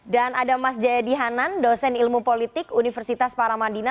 dan ada mas jayadi hanan dosen ilmu politik universitas paramandina